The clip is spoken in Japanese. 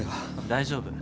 大丈夫。